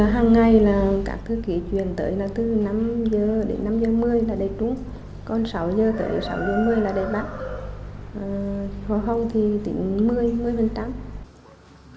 hàng ngày các thư ký chuyển tới từ năm h đến năm h một mươi là đề trúng còn sáu h tới sáu h một mươi là đề bạc hồi hôm thì tỉnh một mươi một mươi tám